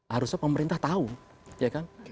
harusnya pemerintah tahu ya kan